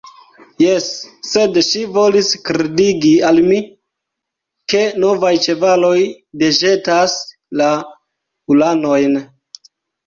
Jes, sed ŝi volis kredigi al mi, ke novaj ĉevaloj deĵetas la ulanojn.